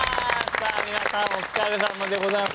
さあ皆さんお疲れさまでございます。